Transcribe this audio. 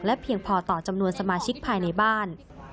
เพียงพอต่อจำนวนสมาชิกภายในบ้าน